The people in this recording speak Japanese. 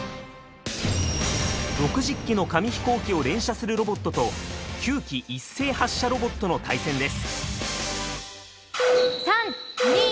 ６０機の紙飛行機を連射するロボットと９機一斉発射ロボットの対戦です。